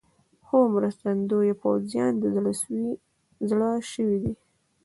خو مرستندویه پوځیان د زړه سوي دي.